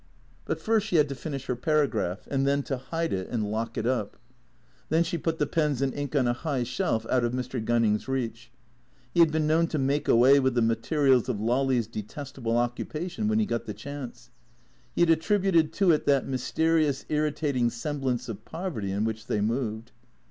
But first she had to finish her paragraph and then to hide it and lock it up. Then she put the pens and ink on a high shelf out of Mr. Gunning's reach. He had been known to make away with the materials of Lolly's detestable occupation when he got the chance. He attributed to it that mysterious, irritating sem blance of poverty in which they moved.